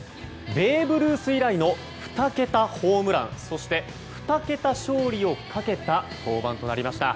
ベーブ・ルース以来の２桁ホームランそして２桁勝利をかけた登板となりました。